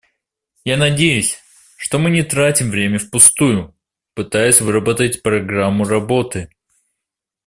Я надеюсь, что мы не тратим время впустую, пытаясь выработать программу работы.